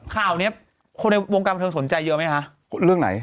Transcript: ข่าวนี้คนในวงการบันทึงสนใจเยอะไหมคะ